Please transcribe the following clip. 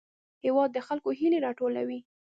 هېواد د خلکو هیلې راټولوي.